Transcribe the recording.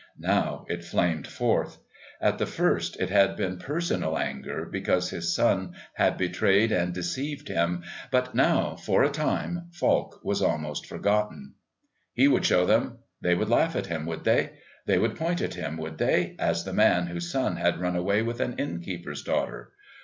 Now it flamed forth. At the first it had been personal anger because his son had betrayed and deceived him but now, for a time, Falk was almost forgotten. He would show them. They would laugh at him, would they? They would point at him, would they, as the man whose son had run away with an innkeeper's daughter?